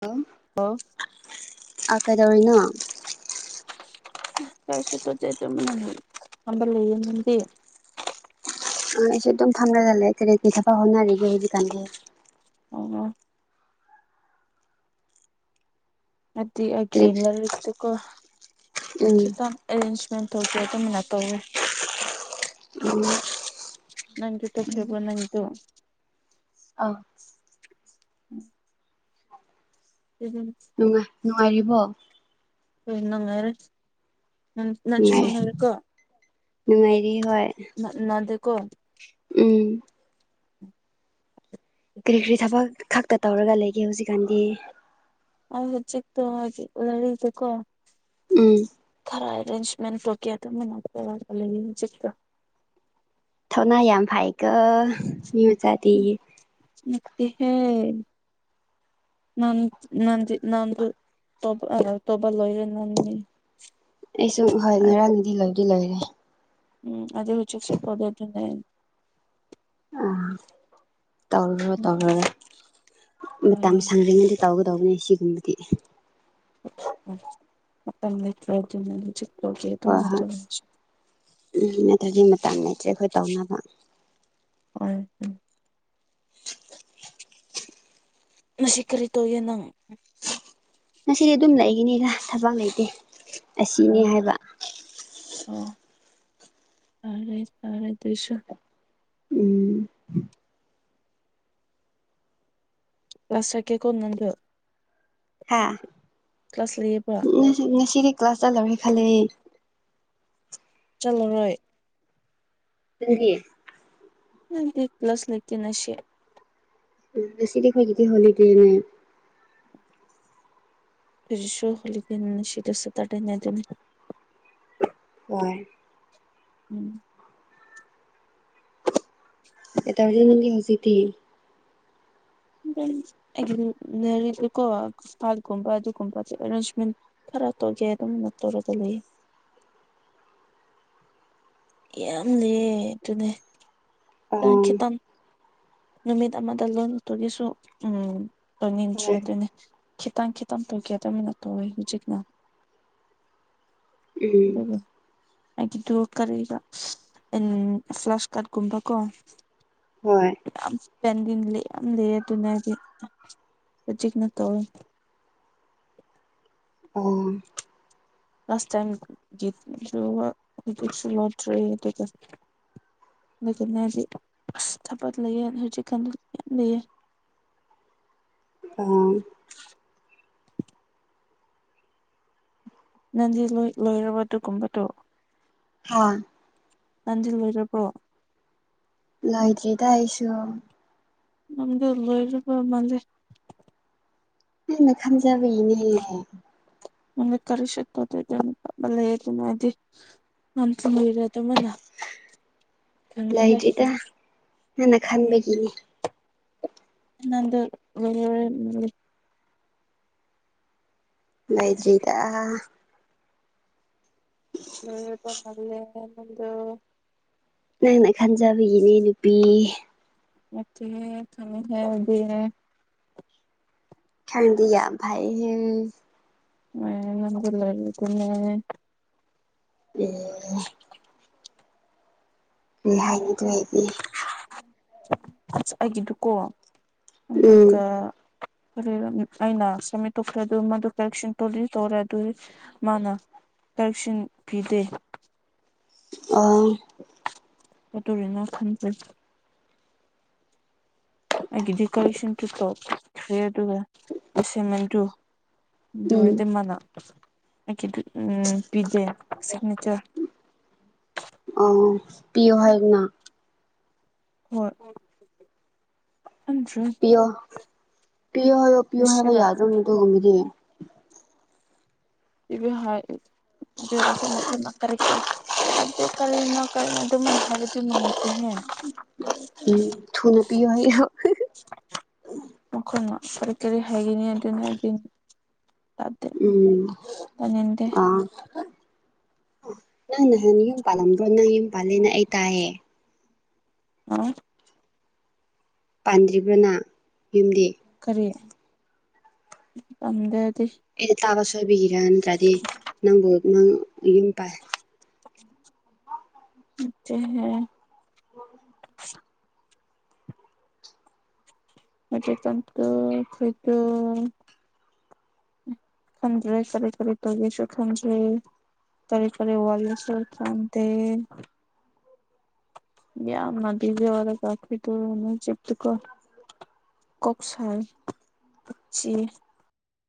hello ꯑꯣ ꯑ ꯀꯗ ꯑꯣꯏꯅꯣ ꯀꯥꯏꯁꯨ ꯇꯣꯖꯩ ꯑꯗꯨꯅ ꯈꯝꯕ ꯂꯩꯌꯦ ꯅꯝꯗꯤ ꯑꯁꯨ ꯑꯗꯨꯝ ꯊꯝꯂꯥꯖꯠꯂꯦ ꯀꯔꯤ ꯀꯩ ꯊꯕ ꯍꯣꯅꯔꯔꯤꯒꯦ ꯍꯧꯖꯤꯛꯀꯥꯟꯒꯤ ꯑꯣ ꯑꯗꯨꯗꯤ ꯑꯩꯒꯤ ꯀꯔꯤ ꯂꯥꯏꯔꯤꯛꯇꯨꯀꯣ ꯎꯝ ꯈꯤꯇꯪ ꯑꯦꯔꯦꯟꯖꯃꯦꯟ ꯊꯣꯛꯧꯒꯦ ꯑꯗꯨꯝꯅ ꯇꯧꯋ ꯎꯝ ꯅꯪꯒꯤ ꯇꯣ ꯈꯦꯕ ꯅꯪ ꯇꯣ ꯑꯥ ꯎꯝ ꯎ ꯅꯔꯤꯕ ꯐꯅꯣꯉꯥꯏꯔ ꯅꯨꯡꯉꯥꯏꯔꯤ ꯅꯟꯁꯤꯃꯉꯥꯏꯔ ꯀꯣ ꯅꯨꯡꯉꯥꯏꯔꯤ ꯍꯣꯏ ꯅꯗꯦꯀꯣ ꯎꯝ ꯀꯔꯤ ꯀꯔꯤ ꯊꯕꯛ ꯈꯛꯇ ꯇꯧꯔꯒ ꯂꯩꯒꯦ ꯍꯧꯖꯤꯛꯀꯥꯟꯗꯤ ꯑꯖꯤꯤ ꯇ ꯍꯥꯏꯦ ꯑꯣꯔꯔꯗꯀꯣ ꯎꯝ ꯑꯔꯦꯟꯖꯃꯦꯟ ꯀꯌꯥ ꯃꯟꯅ ꯇ ꯂꯩ ꯆ ꯊꯧꯅꯥ ꯌꯥꯝ ꯐꯏꯒ ꯃꯤ ꯃꯖꯥꯗꯤ ꯍꯦ ꯅꯟ ꯅ ꯇꯕ ꯇꯕ ꯂꯣꯏꯔꯦ ꯅꯟꯅꯤ ꯑꯩ ꯁꯨꯝ ꯍꯣꯏ ꯉꯔꯥꯡ ꯅꯨꯗꯤ ꯂꯣꯏꯗꯤ ꯂꯣꯏꯔꯦ ꯎꯝ ꯑꯗꯨꯗꯒꯤ ꯍꯧ ꯎꯆꯛꯁ ꯄꯗꯗꯨ ꯅ ꯑ ꯇꯧꯔꯨꯔꯣ ꯎꯝ ꯇꯧꯔꯨꯔꯣ ꯃꯇꯝ ꯍꯣꯏ ꯁꯪꯗ꯭ꯉꯗꯤ ꯇꯧꯒ ꯇꯧꯒꯅꯦ ꯁꯤꯒꯨꯝꯕꯗꯤ [unintelligible] ꯍꯣꯏ ꯍꯣꯏ ꯃꯇꯝꯁꯨ ꯎꯝ ꯃ ꯑꯗꯨꯒꯤ ꯃꯇꯥꯡꯗꯆꯦ ꯑꯩꯈꯣꯏ ꯇꯧꯅꯕ ꯑꯣꯏ ꯃꯁꯤꯁꯤ ꯀꯔꯤ ꯇꯧꯌꯦ ꯅꯪ ꯉꯁꯤꯗꯤ ꯑꯗꯨꯝ ꯂꯩꯒꯤꯅꯤꯗ ꯊꯕꯛ ꯂꯩꯇꯦ ꯑꯁꯤꯅꯤ ꯑꯣ ꯍꯥꯏꯕ ꯑꯣ ꯑꯔ ꯑꯔꯁꯨ ꯎꯝ ꯀ꯭ꯂꯁꯀꯤꯦ ꯀꯅꯗ ꯍꯥꯦ ꯀ꯭ꯂꯥꯁ ꯂꯩꯌꯦꯕ ꯀ꯭ꯂꯥꯁꯇ ꯂꯔꯍꯤ ꯈꯦ ꯆꯂꯔꯣꯏ ꯪ ꯅꯗꯤꯛ ꯄ꯭ꯂꯁ ꯂꯩꯀꯅꯁꯤꯦ ꯎ ꯁꯤꯗꯤꯈꯥꯏꯒꯗꯤ ꯍꯣꯂꯤꯗꯦꯅꯦ ꯁ ꯍꯣꯂꯤꯗꯅꯤꯁꯤꯗꯁꯦ ꯇꯔꯅꯦꯗꯅꯤ ꯍꯣꯏ ꯎꯝ ꯑꯦꯇꯥꯕꯗꯤ ꯅꯗꯤ ꯍꯧꯖꯤꯗꯤꯤ ꯂ ꯀꯣ ꯀꯜꯒꯨꯝꯕ ꯑꯗꯨꯨꯝꯕꯔꯦꯟꯖꯔ ꯠꯇꯣꯒꯦ ꯑꯗꯨꯝ ꯅꯠꯇꯧꯔꯒ ꯂꯩꯦ [unintelligible] ꯌꯥꯝ ꯂꯩ ꯑꯗꯨꯅꯦ ꯈꯤꯪ ꯑꯥ ꯈꯤꯇꯪ ꯅꯨꯃꯤꯠ ꯑꯃꯗ ꯂꯣꯏꯛꯇꯒꯤꯁꯨ ꯎꯝ ꯂꯣꯏꯅꯤꯡꯗ꯭ꯔꯦ ꯍꯣꯏ ꯑꯗꯨꯅꯦ ꯈꯤꯇꯪ ꯈꯤꯇꯪ ꯀꯌꯥ ꯇꯃꯤ ꯅꯠꯇ ꯑꯣꯏ ꯍꯧꯖꯤꯛꯅ ꯎꯝ ꯒꯤꯗꯨ ꯀꯔꯤꯒ ꯎ ꯐ꯭ꯂꯁ ꯀꯥꯔꯠꯀꯨꯝꯕ ꯀꯣ ꯍꯣꯏ ꯄꯦꯟꯗꯤ ꯌꯥꯝ ꯂꯩꯔꯦ ꯑꯗꯨꯅꯗꯤ ꯍꯧꯖꯤꯛꯅ ꯇꯧꯋꯦ [unintelligible] ꯑꯥ ꯂꯥꯁ ꯇꯥꯏꯝ ꯌꯦꯁꯨ ꯍꯧꯖꯤꯁꯨ ꯂꯣꯇꯔꯤ ꯑꯗꯨꯗꯒꯤ ꯊꯥꯄ ꯂꯩꯌꯦ ꯍꯧꯖꯤꯛꯀ ꯂꯩꯦ ꯑꯥ ꯅꯪꯗꯤ ꯂꯣꯏ ꯂꯣꯏꯔꯕ ꯑꯗꯨꯒꯨꯝꯕꯗꯨꯣ ꯑ ꯇꯥꯟꯖꯤꯜ ꯑꯣꯏꯔꯕ꯭ꯔꯣ ꯂꯣꯏꯗ꯭ꯔꯤꯗ ꯑꯩꯁꯨ ꯅꯝꯗ ꯂꯣꯏꯔꯕ ꯃꯥꯜꯜꯂꯤꯦ ꯅ ꯈꯝꯖꯕꯅꯦ ꯃ ꯀꯔꯤꯁꯤ ꯇꯗꯕꯂ ꯍꯦꯒꯅ ꯍꯥꯏꯗꯤ ꯃꯟꯁ ꯂꯩꯔꯗ ꯃꯅꯥ [unintelligible] ꯀꯪꯉꯍꯦ ꯅꯅ ꯈꯥꯟꯕꯒꯅꯤ ꯅꯗ ꯃꯩꯖꯔꯤꯗ ꯄ ꯃꯜꯦ ꯃꯗꯨ ꯅꯪꯅ ꯈꯟꯖꯕꯒꯤꯅꯦ ꯅꯨꯄꯤ ꯑꯣ ꯀꯃꯤ ꯍꯕꯤ ꯈꯔꯗ ꯥꯏ ꯑ ꯉꯔ ꯑꯣ ꯂꯩ ꯍꯥꯏꯅꯤꯗ ꯂꯩꯗꯤꯦ ꯑꯁ ꯑꯩꯒꯤꯗꯨꯀꯣ ꯎꯝ ꯑꯗꯨꯒ ꯑꯩꯅ ꯁꯃꯤꯠ ꯇꯣꯛꯈ꯭ꯔꯦ ꯑꯗꯨ ꯃꯗꯨ ꯀꯔꯦꯛꯁꯟ ꯇ ꯇꯧꯔꯦ ꯑꯗꯨ ꯃꯥꯅ ꯀꯔꯦꯛꯁꯟ ꯄꯤꯗꯦ ꯑ ꯑ ꯇꯔꯤꯅ ꯈꯟꯁꯦ ꯑꯩꯒꯤ ꯗꯦꯀꯣꯔꯦꯁꯟ ꯇ ꯇ꯭ꯔꯦꯠ ꯑꯗꯨꯒ ꯑꯦꯁꯦꯟꯃꯦꯟꯗꯨꯨ ꯑꯗꯨ ꯎꯝ ꯑꯣꯏꯔꯗꯤ ꯃꯅꯥ ꯑꯩ ꯎꯝ ꯄꯤꯗꯦ ꯁꯤꯒꯅꯦꯆꯔ ꯄꯤꯌꯨ ꯍꯥꯏꯗꯅ ꯍꯣꯏ ꯈꯟꯗ꯭ꯔꯦ ꯄꯤꯣ ꯄꯤꯌꯣ ꯍꯥꯏꯣ ꯄꯤꯌꯣ ꯍꯥꯏꯕ ꯉꯁꯤꯔ ꯌꯥꯗ ꯑꯃꯗ ꯉꯨꯝꯃꯤꯔꯤꯦ ꯏꯚ ꯍꯥꯏ ꯔꯦꯁ ꯃꯈꯣꯏꯅ ꯀꯔꯤ ꯀꯔꯤ ꯑꯗꯨ ꯀꯔꯤꯅ ꯀꯔꯤ ꯑꯗꯨꯃꯥꯏꯅ ꯍꯥꯏꯕꯗꯤ ꯅꯨꯡꯉꯥꯏꯇꯦ ꯍꯦ ꯎꯝ ꯊꯨꯅꯄꯤ ꯀꯔ ꯀꯔꯤ ꯍꯥꯏꯒꯅꯤ ꯑꯗꯨ ꯑꯗꯨ ꯅ ꯍꯥꯏꯗꯅꯤ ꯎꯝ ꯄꯅꯤꯡꯗꯦ ꯑꯥ ꯅꯪ ꯅꯍꯥꯟ ꯌꯨꯝ ꯄꯥꯜꯂꯝꯕ꯭ꯔꯣ ꯅꯪ ꯌꯨꯝ ꯄꯥꯜꯂꯦꯅ ꯑꯩ ꯇꯥꯏꯌꯦ ꯑ ꯄꯥꯟꯗ꯭ꯔꯤꯕ꯭ꯔꯅ ꯌꯨꯝꯗꯤ ꯇꯝꯗ ꯑꯦ ꯇꯥꯕ ꯁꯣꯏꯕꯤꯈꯤꯔꯥ ꯅꯠꯇ꯭ꯔꯗꯤ ꯅꯪꯕꯨ ꯅꯪ ꯌꯨꯝ ꯄꯥꯏ ꯑ ꯍꯥꯏ ꯎꯝ [unintelligible] ꯃꯆꯦ ꯀꯥꯟꯇ ꯈꯣꯏꯗ ꯈꯟꯗ꯭ꯔꯦ ꯀꯔꯤ ꯀꯔꯤ ꯇꯧꯒꯦꯁꯨ ꯈꯟꯗ꯭ꯔꯤ ꯇꯔꯤꯦ ꯐꯔꯦ ꯋꯥꯂꯁꯣꯔ ꯆꯥꯟꯗ ꯌꯥꯃ ꯕꯤꯖꯦ ꯋꯥ ꯀꯥꯈꯣꯏ ꯇ ꯆꯛꯇꯀꯣ ꯀꯣꯛꯁꯥ ꯀꯆꯤ